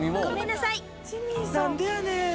なんでやねん！